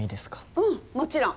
うんもちろん。